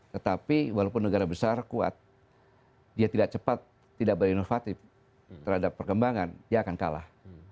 tetapi walaupun negara besar kuat dia tidak cepat tidak berinovatif terhadap perkembangan dia akan kalah